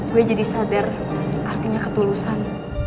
gue jadi sadar artinya ketulusan